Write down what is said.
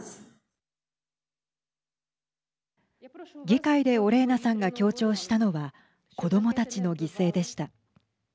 議会でオレーナさんが強調したのは子どもたちの犠牲でした。